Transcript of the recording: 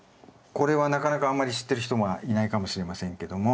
これはなかなかあんまり知ってる人がいないかもしれませんけども。